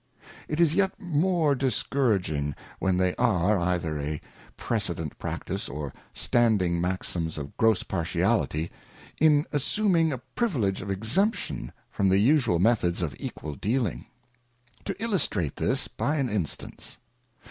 It is yet more discouraging, when there are, either a precedent Practice, or standing Maxims of gross Partiality, in assuming a privilege of exemption from the usual methods of equal dealing. To illustrate this by an Instance.